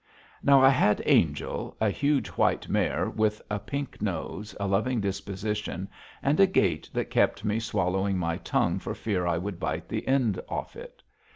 Now I had Angel, a huge white mare with a pink nose, a loving disposition, and a gait that kept me swallowing my tongue for fear I would bite the end off it.